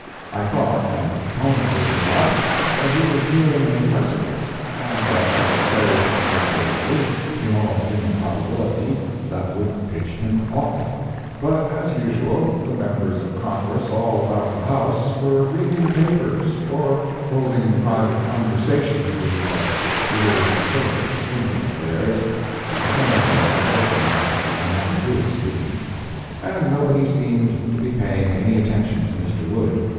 I thought, from the tone of his remarks, that he was nearing a precipice, and that he would say something directly, in all human probability, that would pitch him off it. But as usual, the members of Congress all about the House were reading papers, or holding private conversations with each other (it is a favorite swindle of theirs, to pretend they are not listening, no matter who is speaking,) and nobody seemed to be paying any attention to Mr. Wood.